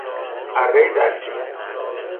ارهی دستی